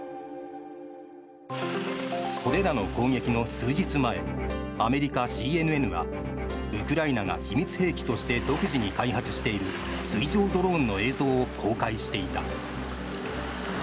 これらの攻撃の数日前アメリカＣＮＮはウクライナが秘密兵器として独自に開発している水上ドローンの映像を公開していた。